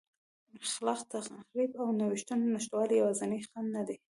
خلاق تخریب او نوښتونو نشتوالی یوازینی خنډ نه دی